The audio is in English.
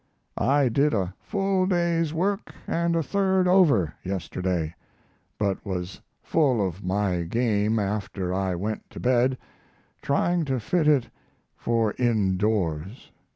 I did a full day's work and a third over, yesterday, but was full of my game after I went to bed trying to fit it for indoors.